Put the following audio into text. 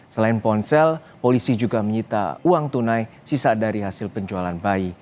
selain ponsel polisi juga menyita uang tunai sisa dari hasil penjualan bayi